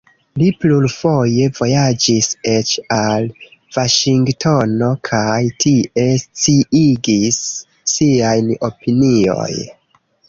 Li plurfoje vojaĝis eĉ al Vaŝingtono kaj tie sciigis siajn opinioj.